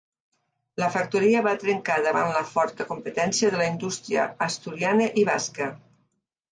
La factoria va trencar davant la forta competència de la indústria asturiana i basca.